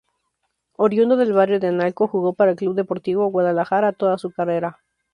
Oriundo del Barrio de Analco, jugó para el Club Deportivo Guadalajara toda su carrera.